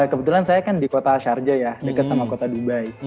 kebetulan saya kan di kota sharja ya dekat sama kota dubai